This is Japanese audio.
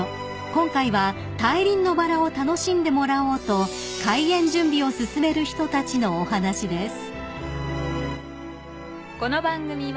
［今回は大輪のバラを楽しんでもらおうと開園準備を進める人たちのお話です］